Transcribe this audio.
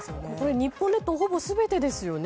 日本列島ほぼ全てですよね。